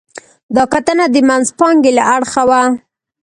دا کتنه د منځپانګې له اړخه وه.